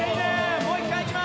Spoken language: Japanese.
もう一回いきます！